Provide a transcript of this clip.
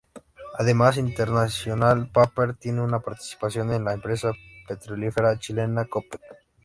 Además, International Paper tiene una participación en la empresa petrolífera chilena Copec.